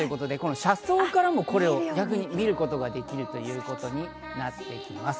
車窓からもこれを逆に見ることができるということになっています。